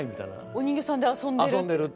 お人形さんで遊んでる？